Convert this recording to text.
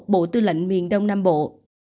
bộ tư lệnh miền đông nam bộ